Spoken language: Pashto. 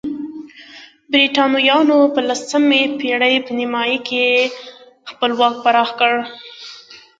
برېټانویانو په نولسمې پېړۍ په نیمایي کې خپل واک پراخ کړ.